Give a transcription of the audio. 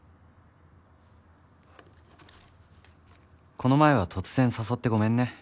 「この前は突然誘ってごめんね」